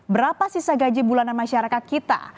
berapa sisa gaji bulanan masyarakat kita